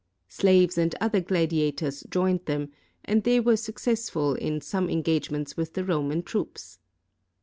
Slaves and other gladiators joined them, and they were suc cessful in some engagements with the Roman troops.